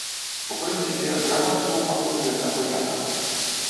У прынцыпе, грамадству пакуль гэта абыякава.